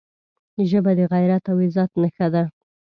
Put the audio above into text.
ژبه د غیرت او عزت نښه ده